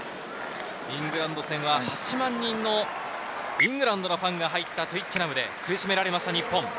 イングランド戦は８万人のイングランドのファンが入ったトゥイッケナムで苦しめられました日本。